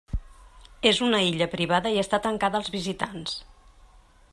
És una illa privada i està tancada als visitants.